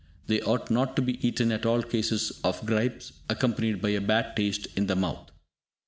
They ought not to be eaten at all in cases of gripes accompanied by a bad taste in the mouth.